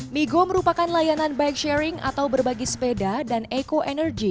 migo merupakan layanan bike sharing atau berbagi sepeda dan eco energy